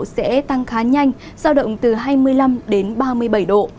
sẽ tăng khá nhanh giao động từ hai mươi năm đến ba mươi bảy độ